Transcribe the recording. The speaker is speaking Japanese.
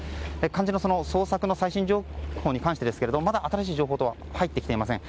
肝心の捜索の最新情報に関してですがまだ新しい情報等は入ってきていません。